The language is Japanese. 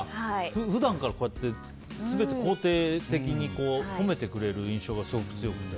普段から、こうやって全て肯定的に褒めてくれる印象がすごく強くて。